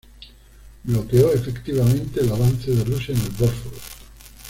Bloqueó efectivamente el avance de Rusia en el Bósforo.